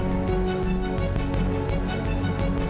tidur dapat sukses sekarang